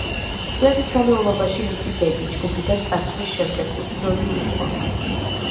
წლების განმავლობაში მისი ბედი, ჯგუფიდან წასვლის შემდეგ უცნობი იყო.